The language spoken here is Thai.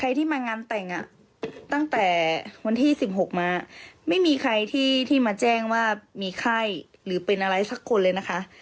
ที่มางานแต่งตั้งแต่วันที่๑๖มาไม่มีใครที่มาแจ้งว่ามีไข้หรือเป็นอะไรสักคนเลยนะคะ